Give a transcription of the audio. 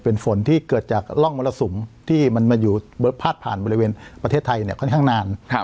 เป็นฝนที่เกิดจากร่องมรสุมที่มันมาอยู่พาดผ่านบริเวณประเทศไทยเนี่ยค่อนข้างนาน